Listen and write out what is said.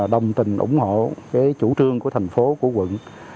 đồng tình ủng hộ chủ trương của thành phố của quận